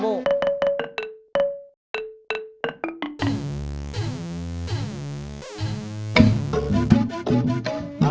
kalo ditanya dijawab dong